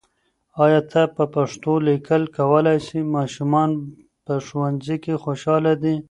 آیا ته په پښتو لیکل کولای سې؟ ماشومان په ښوونځي کې خوشاله دي.